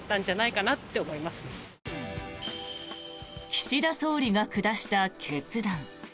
岸田総理が下した決断。